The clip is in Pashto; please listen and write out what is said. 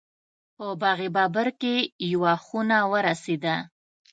په باغ بابر کې یوه خونه ورسېده.